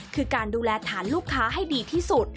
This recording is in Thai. คือการดูแลฐานลูกค้าให้ดีที่สุด